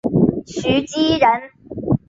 徐积人。